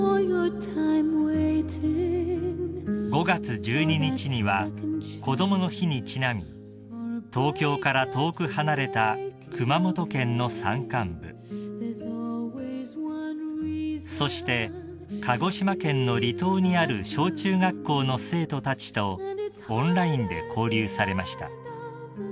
［５月１２日にはこどもの日にちなみ東京から遠く離れた熊本県の山間部そして鹿児島県の離島にある小中学校の生徒たちとオンラインで交流されました］